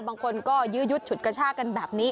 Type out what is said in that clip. บางคนก็ยื้อยุดฉุดกระชากันแบบนี้